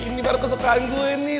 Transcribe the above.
ini baru kesukaan gue ini